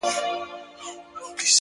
ستا د پرونۍ ورځې عادت بې هوښه سوی دی”